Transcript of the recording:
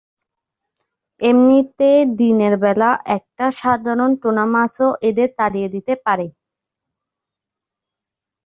এমনিতে দিনের বেলা একটা সাধারণ টুনা মাছ ও এদের তাড়িয়ে দিতে পারে।